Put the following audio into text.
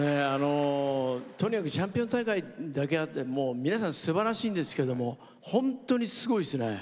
とにかく「チャンピオン大会」だけあって皆さんすばらしいんですけど本当にすごいですね。